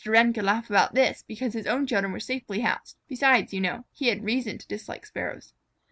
Wren could laugh about this because his own children were always safely housed. Besides, you know, he had reason to dislike Sparrows.